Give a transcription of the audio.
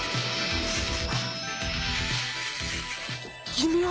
君は？